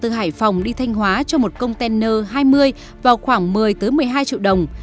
từ hải phòng đi thanh hóa cho một container hai mươi vào khoảng một mươi một mươi hai triệu đồng